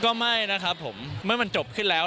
ก็ม่ั้ยนะครับผมมึงมันจบขึ้นแล้ว